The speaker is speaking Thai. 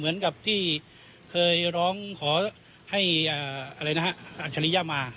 พวกที่เคยร้องขออัธริยามา